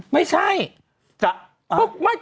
ไม่ใช่